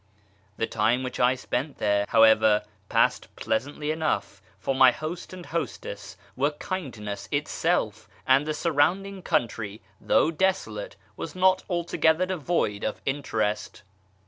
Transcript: The time which I spent there, however, passed pleasantly enough, for my host and hostess were kindness itself, and the surround ing country, though desolate, was not altogether devoid of interest.